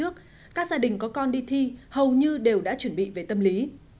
các gia đình có con đi thi hầu như đều đã chuẩn bị về tâm lý